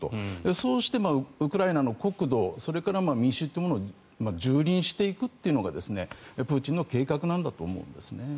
そうして、ウクライナの国土それから民衆というものを蹂躙していくというのがプーチンの計画なんだと思うんですね。